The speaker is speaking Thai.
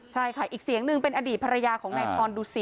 ใช่ค่ะอีกเสียงหนึ่งเป็นอดีตภรรยาของนายพรดูสิต